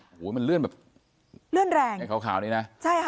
โอ้โหมันเลื่อนแบบเลื่อนแรงไอ้ขาวนี้นะใช่ค่ะ